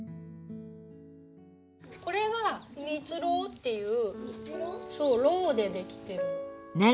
これは蜜ろうっていうろうでできてるの。